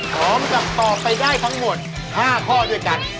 ตอบไปได้ทั้งหมด๕ข้อด้วยกัน